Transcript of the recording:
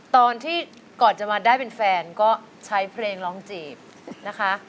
ตอนที่ก่อนจะมาได้เป็นแฟนก็ใช้เพลงร้องจีบนะคะ